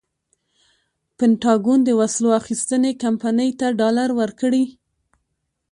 پنټاګون د وسلو اخیستنې کمپنۍ ته ډالر ورکړي.